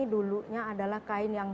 dulunya adalah kain yang